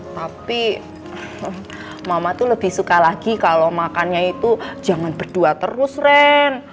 tapi mama tuh lebih suka lagi kalau makannya itu jangan berdua terus ren